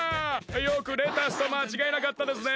よくレタスとまちがえなかったですね！